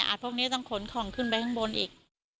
พวกนี้ต้องขนของขึ้นไปข้างบนอีก